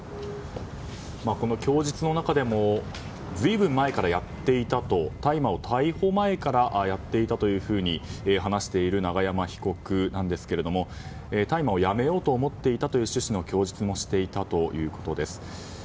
この供述の中でも随分前からやっていたと大麻を逮捕前からやっていたと話している永山被告なんですけど大麻をやめようと思っていたという趣旨の供述もしていたということです。